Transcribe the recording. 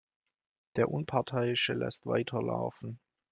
Der Unparteiische lässt weiterlaufen.